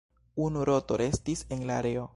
Unu roto restis en la areo.